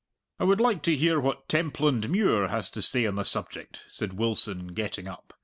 "I would like to hear what Templandmuir has to say on the subject," said Wilson, getting up.